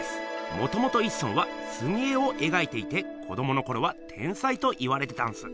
もともと一村は「すみ絵」をえがいていて子どものころは天才と言われてたんす。